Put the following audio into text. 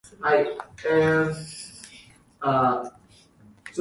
It was then an important cement-producing center, due to local deposits of gypsum.